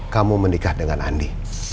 kamu menikah dengan andi